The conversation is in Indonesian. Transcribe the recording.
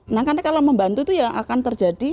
nah karena kalau membantu itu ya akan terjadi